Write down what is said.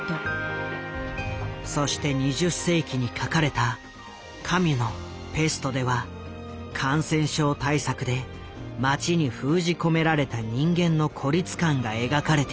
そして２０世紀に書かれたカミュの「ペスト」では感染症対策で街に封じ込められた人間の孤立感が描かれている。